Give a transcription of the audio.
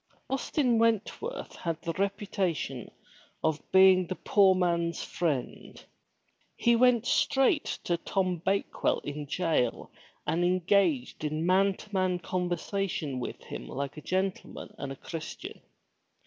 Austin Wentworth had the reputation of being the poor man's friend. He went straight to Tom Bake well in jail and engaged in man to man conversation with him like a gentleman and a Christian.